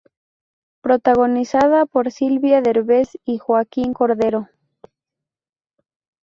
Protagonizada por Silvia Derbez y Joaquín Cordero.